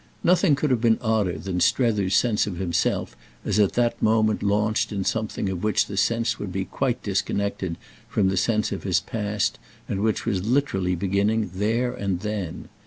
Nothing could have been odder than Strether's sense of himself as at that moment launched in something of which the sense would be quite disconnected from the sense of his past and which was literally beginning there and then.